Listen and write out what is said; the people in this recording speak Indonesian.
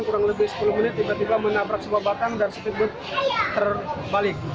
kurang lebih sepuluh menit tiba tiba menabrak sebuah batang dan speedboat terbalik